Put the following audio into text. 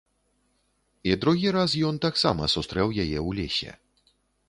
І другі раз ён таксама сустрэў яе ў лесе.